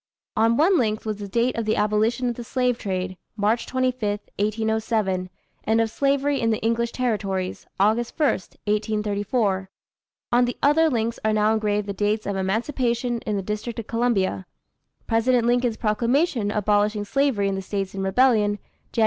On one link was the date of the abolition of the slave trade, March 25, 1807, and of slavery in the English territories, Aug. 1, 1834. On the other links are now engraved the dates of Emancipation in the District of Columbia; President Lincoln's proclamation abolishing slavery in the States in rebellion, Jan.